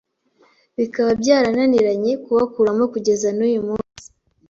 bikaba byarananiranye kubakuramo kugeza n’uyu munsi.